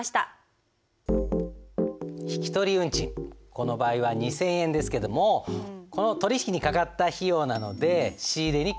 この場合は２，０００円ですけどもこの取引にかかった費用なので仕入に加えます。